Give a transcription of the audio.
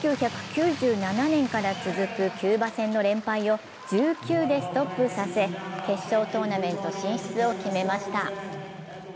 １９９７年から続くキューバ戦の連敗を１９でストップさせ決勝トーナメント進出を決めました。